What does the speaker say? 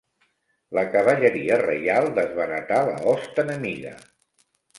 La cavalleria reial desbaratà la host enemiga.